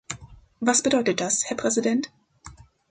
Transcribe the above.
Was bedeutet das, Herr Präsident?